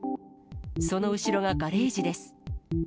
その後ろがガレージです。